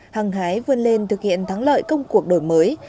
hăng hái vươn lên thực hiện thắng lợi công cuộc đổi mới